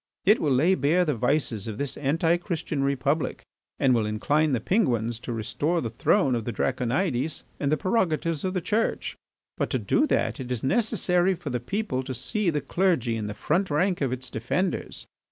It will lay bare the vices of this Anti Christian Republic and will incline the Penguins to restore the throne of the Draconides and the prerogatives of the Church. But to do that it is necessary for the people to see the clergy in the front rank of its defenders.